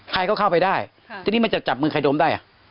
ใครก็เข้าไปได้ทีนี้มันจะจับมือใครดมได้อ่ะ